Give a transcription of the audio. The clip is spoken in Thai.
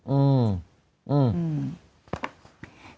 อืมอืม